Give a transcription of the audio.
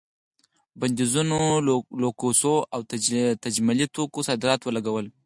بندیزونو لوکسو او تجملي توکو صادراتو ولګول.